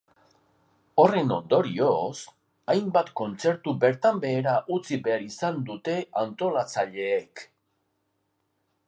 Horren ondorioz, hainbat kontzertu bertan behera utzi behar izan dute antolatzaileek.